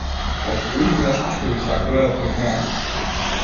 Постои ли нешто што би сакале да признаете?